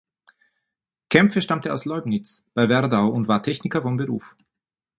Kämpfe stammte aus Leubnitz bei Werdau und war Techniker von Beruf.